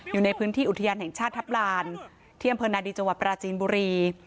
อยู่ในพื้นที่อุทยานแห่งชาติทัพลานที่อำเภอนาดีจังหวัดปราจีนบุรี